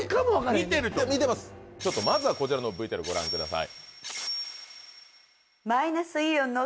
見てると思うまずはこちらのＶＴＲご覧ください